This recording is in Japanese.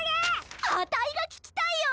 あたいがききたいよ！